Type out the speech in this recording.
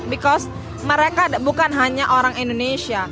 bekas mereka bukan hanya orang indonesia